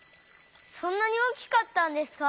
そんなに大きかったんですか？